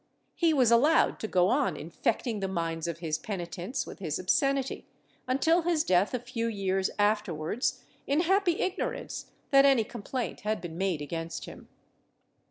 He was allowed to go on infecting the minds of his penitents with his obscenity, until his death a few years afterwards, in happy ignorance that any com plaint had been made against him.